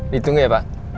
ditunggu ya pak